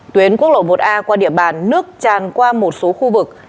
tuyến quốc lộ một a qua địa bàn nước tràn qua một số khu vực